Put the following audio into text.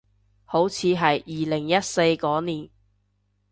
好似係二零一四嗰年